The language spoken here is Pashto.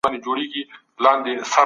موږ له دې ليکنو ګټه اخلو.